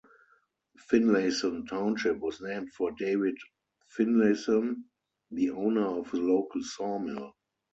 Finlayson Township was named for David Finlayson, the owner of a local sawmill.